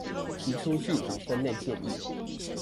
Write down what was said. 提出具體分類建議